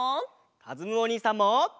かずむおにいさんも！